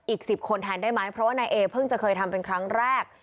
อีก๑๐คนแทนได้ไหมเพราะว่านายเอเพิ่งจะเคยทำเป็นครั้งแรก